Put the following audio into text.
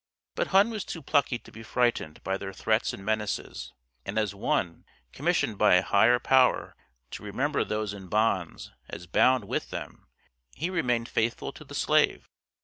But Hunn was too plucky to be frightened by their threats and menaces, and as one, commissioned by a higher power to remember those in bonds as bound with them he remained faithful to the slave.